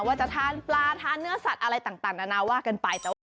ว่าจะทานปลาทานเนื้อสัตว์อะไรต่างนานาว่ากันไป